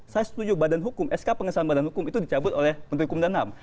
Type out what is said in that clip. saya setuju badan hukum sk pengesahan badan hukum itu dicabut oleh menteri hukum dan ham